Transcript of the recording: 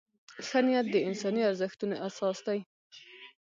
ښه نیت د انساني ارزښتونو اساس دی.